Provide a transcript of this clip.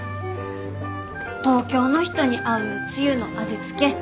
東京の人に合うつゆの味付け